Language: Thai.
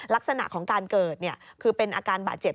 ลักษณะของการเกิดคือเป็นอาการบาดเจ็บ